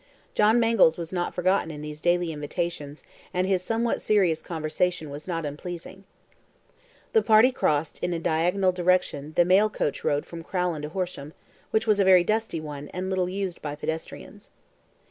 John Mangles was not forgotten in these daily invitations, and his somewhat serious conversation was not unpleasing. The party crossed, in a diagonal direction, the mail coach road from Crowland to Horsham, which was a very dusty one, and little used by pedestrians.